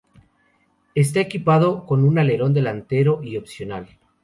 Está equipado con un alerón delantero y opcional.